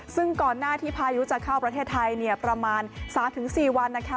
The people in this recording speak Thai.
ซึ่งก่อนหน้าที่พายุจะเข้าประเทศไทยเนี่ยประมาณ๓๔วันนะคะ